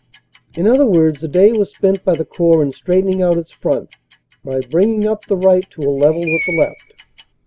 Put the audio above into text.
In other words, the day was spent by the Corps in straight ening out its front by bringing up the right to a level with the left.